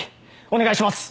お願いします！